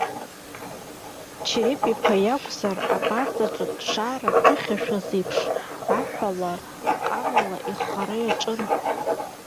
Череп-иԥа иакәзар абарҵаҿ дшаарымԥыхьашәаз еиԥш аҳәала, ҟамала ирӷӷара иаҿын.